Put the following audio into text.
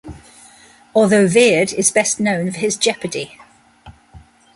Although Vered is best known for his Jeopardy!